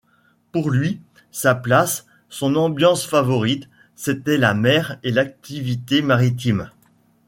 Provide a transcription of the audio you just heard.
Pour lui, sa place, son ambiance favorite, c'était la mer et l'activité maritime.